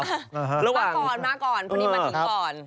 มาก่อนคุณนี่มาถึงก่อน